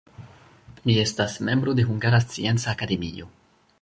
Li estas membro de Hungara Scienca Akademio.